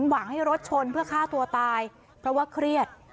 หวังให้รถชนเพื่อฆ่าตัวตายเพราะว่าเครียด